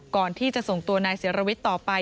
ก่อนที่จะส่งตัวนายเสียรวิทย์ต่อไป